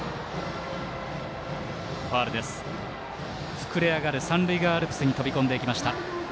膨れ上がる三塁側アルプスに飛び込んでいきました。